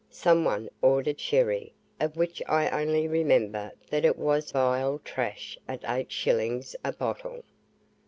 Some one ordered sherry, of which I only remember that it was vile trash at eight shillings a bottle.